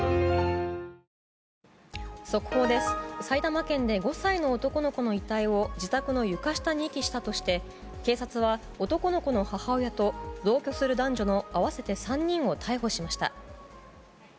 埼玉県で５歳の男の子の遺体を自宅の床下に遺棄したとして警察は男の子の母親と同居する男女の合わせて３人を逮捕しました。